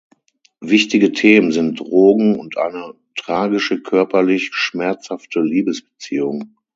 Wichtige Themen sind Drogen und eine tragische, körperlich schmerzhafte Liebesbeziehung.